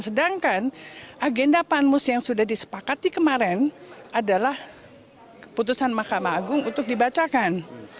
sedangkan agenda panmus yang sudah disepakati kemarin adalah keputusan mahkamah agung untuk dibacakan